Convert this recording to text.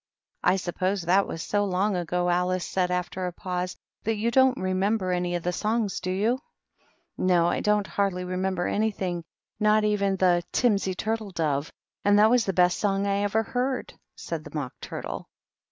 " I suppose that was so long ago/* Alice said, after a pause, " that you don't remember any of the songs, do you?*' " No, I don't hardly remember anything, — ^not even the * Timsy Turtle Dove/ and that was the best song I ever heard," said the Mock Turtle.